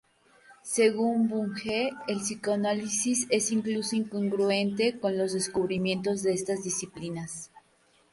Según Bunge, el psicoanálisis es incluso incongruente con los descubrimientos de estas disciplinas.